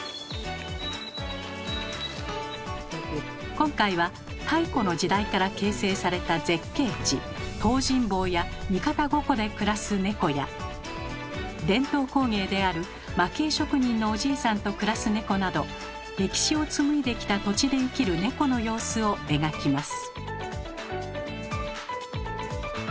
今回は太古の時代から形成された絶景地東尋坊や三方五湖で暮らすネコや伝統工芸である蒔絵職人のおじいさんと暮らすネコなど歴史を紡いできた土地で生きるネコの様子を描きます。